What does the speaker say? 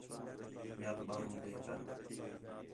ٻِیال ٻاہروں وِہ کر